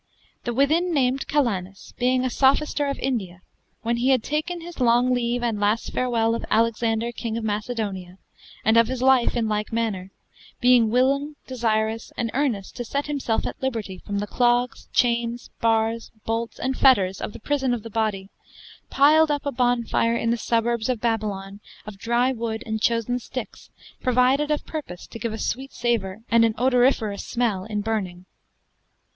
The within named Calanus, being a sophister of India, when he had taken his long leave and last farewell of Alexander, King of Macedonia, and of his life in lyke manner, being willing, desirous, and earnest to set himselfe at lybertie from the cloggs, chaines, barres, boults, and fetters of the prison of the body, pyled up a bonnefire in the suburbs of Babylon of dry woodde and chosen sticks provided of purpose to give a sweete savour and an odoriferous smell in burning.